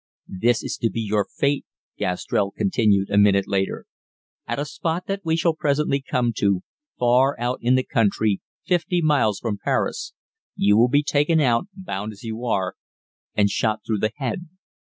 "This is to be your fate," Gastrell continued a minute later. "At a spot that we shall presently come to, far out in the country, fifty miles from Paris, you will be taken out, bound as you are, and shot through the head.